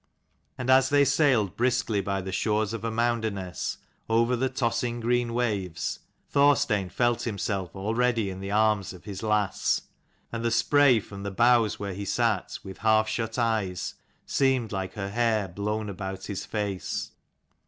And as they sailed briskly by the shores of Amounderness over the tossing green waves, Thorstein felt himself already in the arms of his lass ; and the spray from the the bows where he sat, with half shut eyes, seemed like her hair blown about his face.